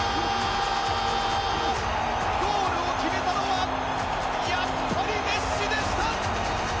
ゴールを決めたのはやっぱりメッシでした！